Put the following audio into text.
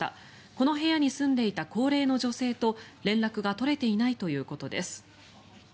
この部屋に住んでいた高齢の女性と連絡が取れていないということです。